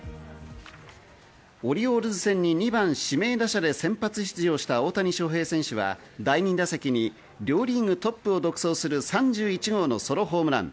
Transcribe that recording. オリオールズ戦に２番・指名打者で先発出場した大谷翔平選手は、第２打席に両リーグトップを独走する３１号のソロホームラン。